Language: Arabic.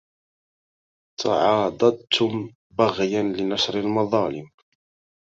تعاضدتم بغيا لنشر المظالم